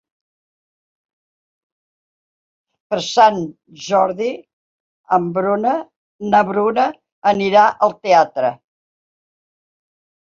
Per Sant Jordi na Bruna anirà al teatre.